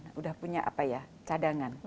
sudah punya cadangan